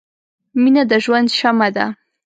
• مینه د ژوند شمعه ده.